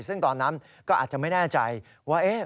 ซึ่งตอนนั้นก็อาจจะไม่แน่ใจว่า